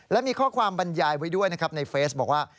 และมีข้อความบรรยายไว้ด้วยนะครับในเฟซบอกว่า